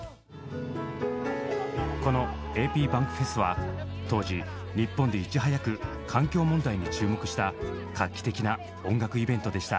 このａｐｂａｎｋｆｅｓは当時日本でいち早く環境問題に注目した画期的な音楽イベントでした。